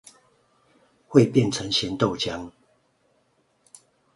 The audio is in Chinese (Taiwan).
會變成鹹豆漿